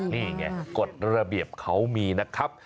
นี่ไงกฎระเบียบเขามีนะครับ